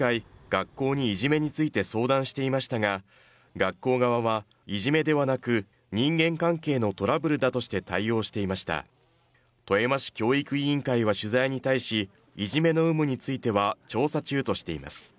学校にいじめについて相談していましたが学校側はいじめではなく人間関係のトラブルだとして対応していました富山市教育委員会は取材に対しいじめの有無については調査中としています